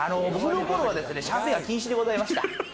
僕の頃はシャーペンは禁止でございました。